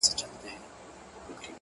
په داسي خوب ویده دی چي راویښ به نه سي”